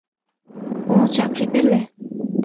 কোনো চাকরি পেলে?